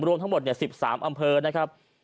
รวมทั้งหมด๑๓อำเภอนะครับ